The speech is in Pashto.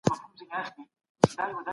بحرونه مالګينې اوبه لري.